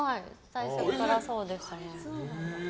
最初からそうでしたね。